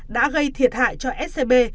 đã gây thiệt hại cho scb